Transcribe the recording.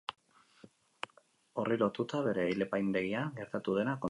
Horri lotuta, bere ileapaindegian gertatu dena kontatu digu.